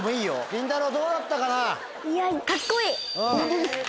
りんたろうどうだったかな？